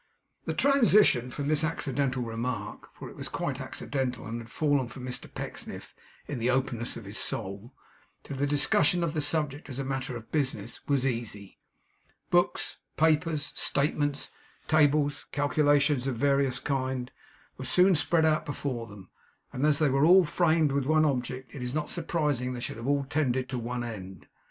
The transition from this accidental remark (for it was quite accidental and had fallen from Mr Pecksniff in the openness of his soul), to the discussion of the subject as a matter of business, was easy. Books, papers, statements, tables, calculations of various kinds, were soon spread out before them; and as they were all framed with one object, it is not surprising that they should all have tended to one end.